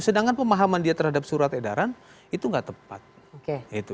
sedangkan pemahaman dia terhadap surat edaran itu nggak tepat